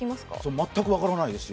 全く分からないですよ。